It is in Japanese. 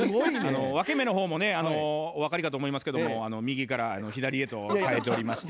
分け目の方もねお分かりかと思いますけども右から左へと変えておりまして。